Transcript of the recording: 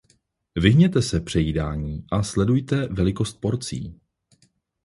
Vyhněte se přejídání a sledujte velikost porcí.